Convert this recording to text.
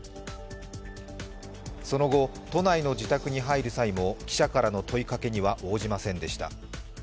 その後、都内の自宅に入る際にも記者からの問いかけには応じませんでした。